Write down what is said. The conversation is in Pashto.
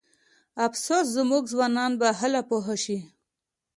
افسوس زموږ ځوانان به هله پوه شي.